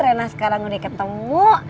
rina sekarang udah ketemu